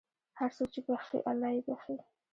هر څوک چې بښي، الله یې بښي.